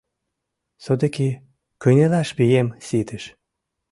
Содыки кынелаш вием ситыш.